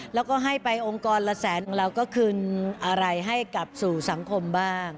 แล้วก็ให้ไปองค์กรละแสนของเราก็คืนอะไรให้กลับสู่สังคมบ้าง